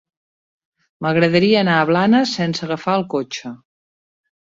M'agradaria anar a Blanes sense agafar el cotxe.